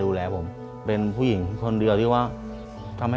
เปลี่ยนเพลงเพลงเก่งของคุณและข้ามผิดได้๑คำ